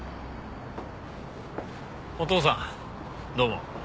お父さんどうも。